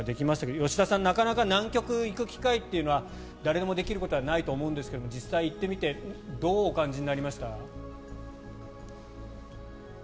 吉田さん、なかなか南極に行く機会というのは誰でもできることではないと思うんですが実際、行ってみてどうお感じになりました？